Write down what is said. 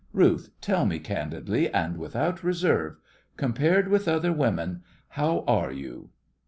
Ruth, tell me candidly and without reserve: compared with other women, how are you?